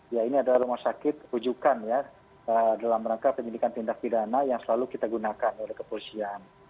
ya ini adalah rumah sakit rujukan ya dalam rangka penyelidikan tindak pidana yang selalu kita gunakan oleh kepolisian